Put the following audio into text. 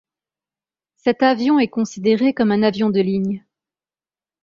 Cet avion est considéré comme un avion de ligne.